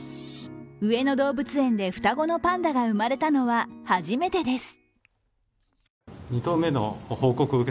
上野動物園で双子のパンダが生まれたのは初めてです。